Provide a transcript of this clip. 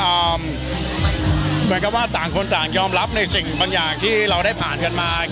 เหมือนกับว่าต่างคนต่างยอมรับในสิ่งบางอย่างที่เราได้ผ่านกันมา